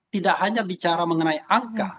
tidak hanya bicara mengenai angka